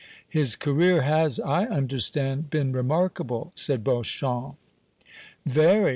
"His career has, I understand, been remarkable," said Beauchamp. "Very.